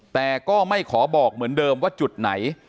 แต่ก็ไม่ขอบอกเหมือนเดิมว่าจุดไหน